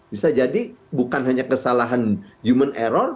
bisa jadi bukan hanya kesalahan human error